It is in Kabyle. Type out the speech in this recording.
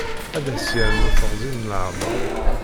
Ad as-yernu teɣzi n leɛmer.